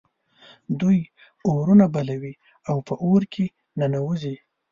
دوی اورونه بلوي او په اور کې ننوزي.